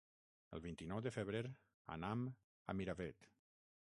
El vint-i-nou de febrer anam a Miravet.